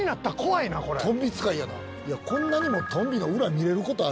いやこんなにもトンビの裏見れることある？